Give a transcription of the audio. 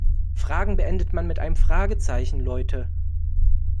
Fragen beendet man mit einem Fragezeichen, Leute!